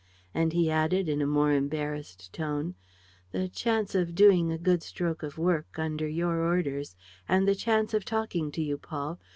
And he added, in a more embarrassed tone, "The chance of doing a good stroke of work, under your orders, and the chance of talking to you, Paul